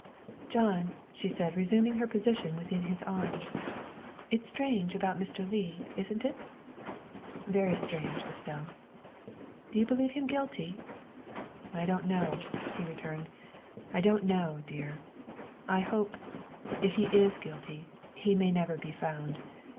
"John," she said, resuming her position within his arms, " it's strange about Mr. Leigh, isn't it?" '' Very strange, Estelle. ''" Do you believe him guilty?" " I don't know," he returned, " I don't know, dear. I hope, if he is guilty, he may never be found.